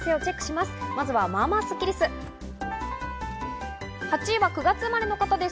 まずは、まあまあスッキりす。